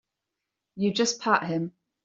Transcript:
You just pat him.